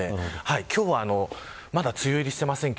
今日はまだ梅雨入りしていません。